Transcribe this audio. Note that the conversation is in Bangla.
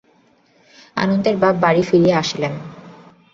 আনন্দে বাপের বাড়ি ফিরিয়া আসিলাম।